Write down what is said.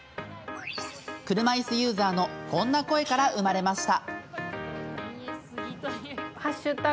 車いすユーザーのこんな声から生まれました。